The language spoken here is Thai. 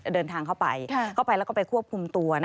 เดินทางเข้าไปเข้าไปแล้วก็ไปควบคุมตัว